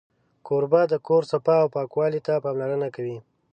کوربه د کور صفا او پاکوالي ته پاملرنه کوي.